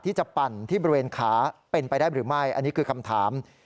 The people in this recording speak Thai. ปั่นที่บริเวณขาเป็นไปได้หรือไม่อันนี้คือคำถาม